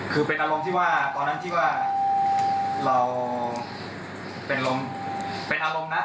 ขึ้นจากนั้นจะกลายเค้าทางไหน